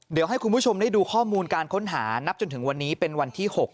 เดี๋ยวให้คุณผู้ชมได้ดูข้อมูลการค้นหานับจนถึงวันนี้เป็นวันที่๖